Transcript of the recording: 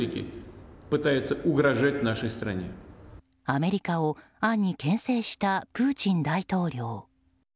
アメリカを暗に牽制したプーチン大統領。